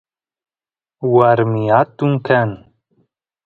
warmi atun kan